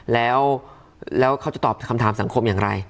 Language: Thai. แล้วเขาจะตอบคำถามสังคมอย่างไร